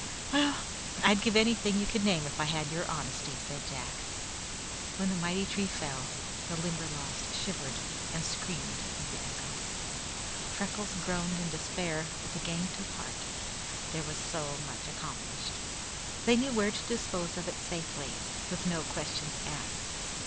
"Well, I'd give anything you could name if I had your honesty," said Jack. When the mighty tree fell, the Limberlost shivered and screamed with the echo. Freckles groaned in despair, but the gang took heart. That was so much accomplished. They knew where to dispose of it safely, with no questions asked.